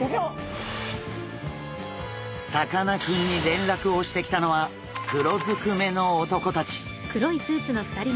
さかなクンに連絡をしてきたのは黒ずくめの男たち。